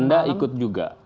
anda ikut juga